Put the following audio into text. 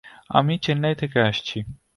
আমি চেন্নাই থেকে আসছি।